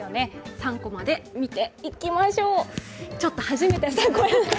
３コマで見ていきましょう。